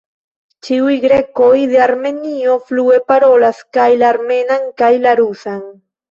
Ĉiuj grekoj de Armenio flue parolas kaj la armenan kaj la rusan.